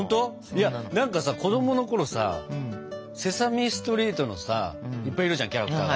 いや何かさ子供のころさ「セサミストリート」のさいっぱいいるじゃんキャラクターが。